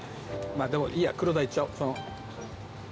でもいいや黒鯛いっちゃおう。